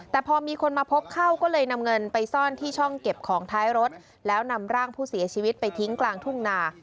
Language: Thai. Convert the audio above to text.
แต่พอมีคนมาพบเข้าก็เลยนำเงินไปซ่อนที่ช่องเก็บของท้ายรถแล้วนำร่างผู้เสียชีวิตไปทิ้งกลางทุ่งนา